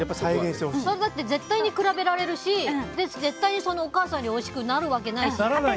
絶対に比べられるし絶対にお母さんよりおいしくなるわけないし。